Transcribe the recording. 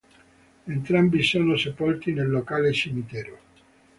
Entrambi sono sepolti nel locale cimitero.